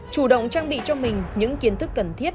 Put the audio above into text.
chủ động trang bị cho mình những kiến thức cần thiết